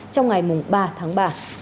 trong ngày ba tháng ba